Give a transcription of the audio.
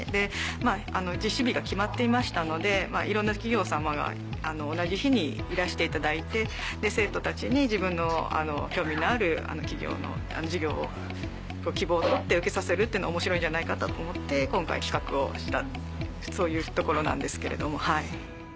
実施日が決まっていましたのでいろんな企業様が同じ日にいらしていただいて生徒たちに自分の興味のある企業の授業を希望を取って受けさせるっていうのは面白いんじゃないかと思って今回企画をしたそういうところなんですけれども。